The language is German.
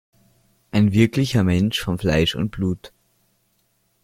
Ein wirklicher Mensch von Fleisch und Blut.